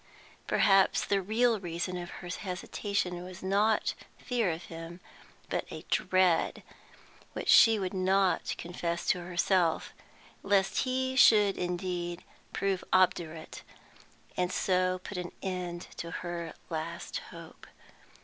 Perhaps the real reason of her hesitation was, not fear of him, but a dread, which she would not confess to herself, lest he should indeed prove obdurate, and so put an end to her last hope.